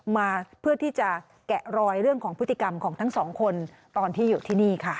มาเพื่อที่จะแกะรอยเรื่องของพฤติกรรมของทั้งสองคนตอนที่อยู่ที่นี่ค่ะ